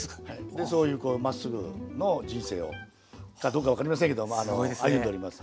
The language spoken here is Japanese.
でそういうこうまっすぐの人生をかどうか分かりませんけどまあ歩んでおります。